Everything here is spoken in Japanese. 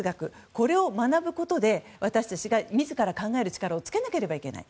これを学ぶことで私たちが自ら考える力をつけなきゃいけない。